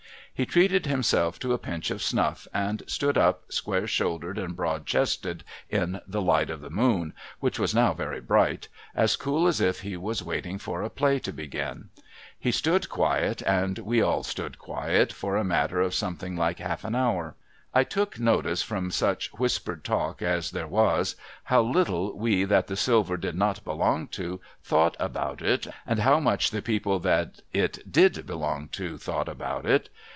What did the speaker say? He treated himself to a pinch of snuff, and stood up, sc[uare shouldered and broad chested, in the light of the moon — which was now very bright — as cool as if he was waiting for a play to begin. He stood quiet, and we all stood c^uiet, for a matter of something like half an hour. I took notice from such whispered talk as there was, how little we that the silver did not belong to, thought about it, and how much the people that it did belong to, thought about it.